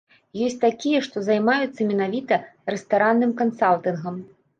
Ёсць такія, што займаюцца менавіта рэстаранным кансалтынгам.